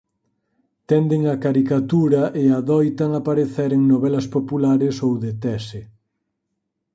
Tenden á caricatura e adoitan aparecer en novelas populares ou de tese.